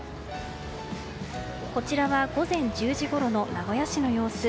こちらは午前１０時ごろの名古屋市の様子。